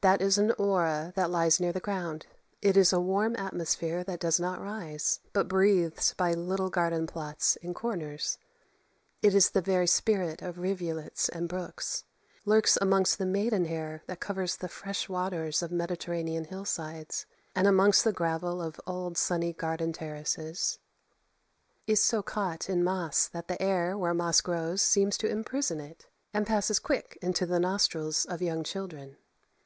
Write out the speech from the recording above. That is an aura that lies near the ground. It is a warm atmosphere that does not rise, but breathes by little garden plots in corners; is the very spirit of rivulets and brooks; lurks amongst the maiden hair that covers the fresh waters of Mediterranean hillsides, and amongst the gravel of old sunny garden terraces; is so caught in moss that the air where moss grows seems to imprison it; and passes quick into the nostrils of young children.